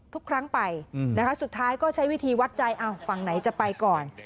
ทุกครั้งไปนะคะสุดท้ายก็ใช้วิธีวัดใจฝั่งไหนจะไปก่อน